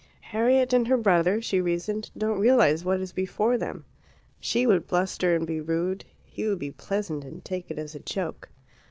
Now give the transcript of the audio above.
"Harriet and her brother," she reasoned, "don't realize what is before them. She would bluster and be rude; he would be pleasant and take it as a joke.